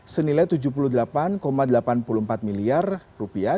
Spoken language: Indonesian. senilai tujuh puluh delapan delapan puluh empat miliar rupiah